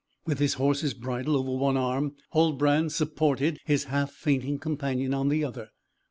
With his horse's bridle over one arm, Huldbrand supported his half fainting companion on the other.